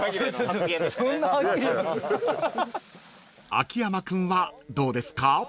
［秋山君はどうですか？］